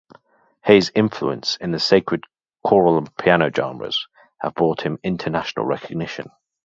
Hayes' influence in the sacred choral and piano genres have brought him international recognition.